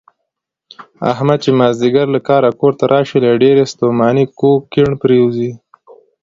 احمد چې مازدیګر له کاره کورته راشي، له ډېرې ستومانۍ کوږ کیڼ پرېوځي.